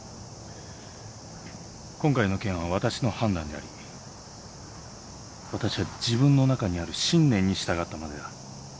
今回の件は私の判断であり私は自分の中にある信念に従ったまでだ